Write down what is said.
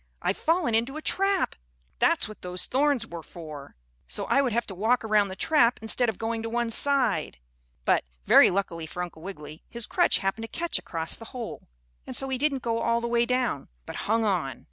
"I've fallen into a trap! That's what those thorns were for so I would have to walk toward the trap instead of going to one side." But, very luckily for Uncle Wiggily, his crutch happened to catch across the hole, and so he didn't go all the way down, but hung on.